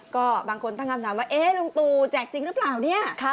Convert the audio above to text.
ก็บางคนตั้งคำถามว่าเอ๊ะลุงตูแจกจริงหรือเปล่าเนี่ย